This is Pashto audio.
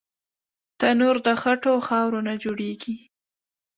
تنور د خټو او خاورو نه جوړېږي